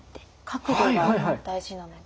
角度が大事なので。